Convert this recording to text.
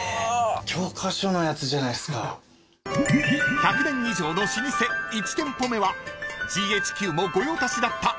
［１００年以上の老舗１店舗目はＧＨＱも御用達だった］